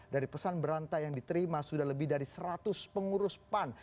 dari pesan berantai yang diterima sudah lebih dari seratus pengurus pan